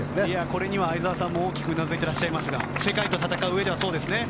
これには相澤さんも大きくうなずいていますが世界で戦うにはそうですね。